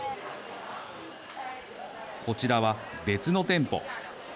こちらは、別の店舗。